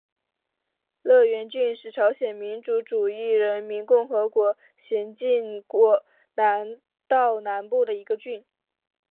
乐园郡是朝鲜民主主义人民共和国咸镜南道南部的一个郡。